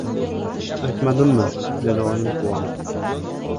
— Aytmadimmi? — dedi oyim quvonib.